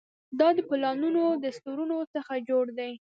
دا له پلانونو او دستورونو څخه جوړ دی.